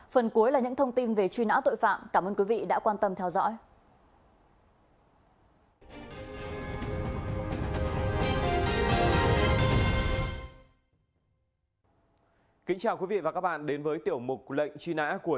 phần cuối là những thông tin về truy nã tội phạm cảm ơn quý vị đã quan tâm theo dõi